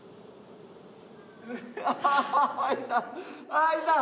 ああいた！